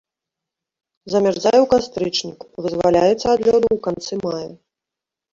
Замярзае ў кастрычніку, вызваляецца ад лёду ў канцы мая.